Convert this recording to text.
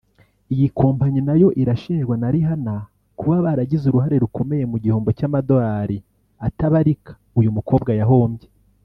Iyi kompanyi nayo irashinjwa na Rihanna kuba baragize uruhare rukomeye mu gihombo cy’amadorali atabarika uyu mukobwa yahombye